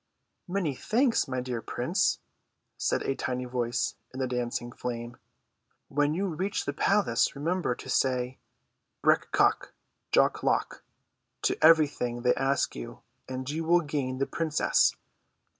Many thanks, my dear prince," said a tiny voice in the dancing flame ; Avhen you reach the palace remember to say, ' Brek kock ! jock lock !' to everything they ask you, and you Avill gain the princess."